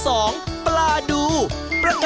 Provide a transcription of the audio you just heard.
ออกออกออกออกออก